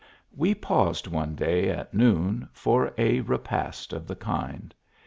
W T e paused one day at noon, for a repast of the kind.